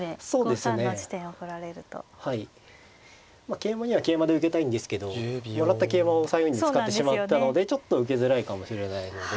桂馬には桂馬で受けたいんですけどもらった桂馬を３四に使ってしまったのでちょっと受けづらいかもしれないので。